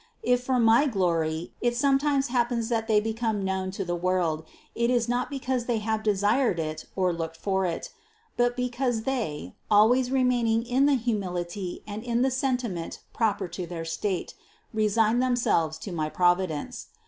If for my glory it sometimes happens that they become known to the world, it is not because they have desired it or looked for it; but because they, always remaining in the humility and in the sentiment proper to their state, resign them selves to my Providence.